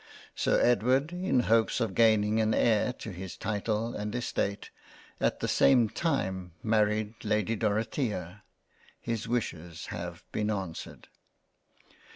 Sir Edward in hopes of gaining an Heir to his Title and Estate, at the same time married Lady Dorothea —. His wishes have been answered.